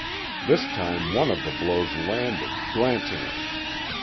This time one of the blows landed, glancingly.